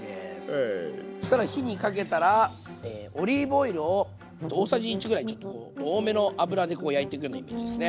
そしたら火にかけたらオリーブオイルを大さじ１ぐらいちょっとこう多めの油で焼いていくようなイメージですね。